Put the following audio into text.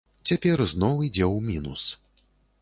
Цяпер зноў ідзе ў мінус.